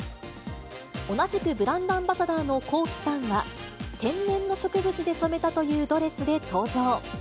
同じくブランドアンバサダーのＫｏｋｉ，さんは、天然の植物で染めたというドレスで登場。